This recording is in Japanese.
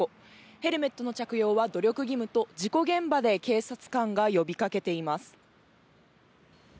ヘルメットの着用は努力義務と事故現場で警察官が呼びかけています。